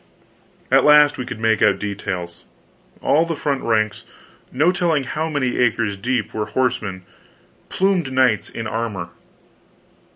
At last we could make out details. All the front ranks, no telling how many acres deep, were horsemen plumed knights in armor.